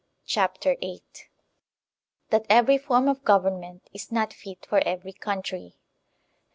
CHAPTER VIII. That Every Form of Government is Not Fit for Every Country.